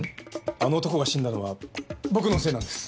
あの男が死んだのは僕のせいなんです。